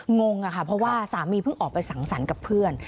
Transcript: งงค่ะเพราะว่าสามีเพิ่งออกไปสังสรรค์กับเพื่อน